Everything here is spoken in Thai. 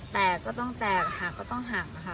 แตกก็ต้องแตกหักก็ต้องหักนะคะ